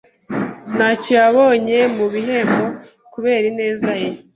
Ntacyo yabonye mu bihembo kubera ineza ye.